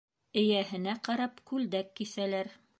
Эйәһенә ҡарап күлдәк киҫәләр.